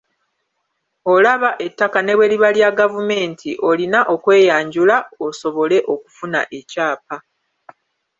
Olaba ettaka ne bwe liba lya gavumenti olina okweyanjula osobole okufuna ekyapa.